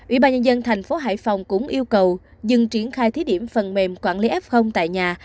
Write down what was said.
ubnd thành phố hải phòng cũng yêu cầu dừng triển khai thí điểm phần mềm quản lý f tại nhà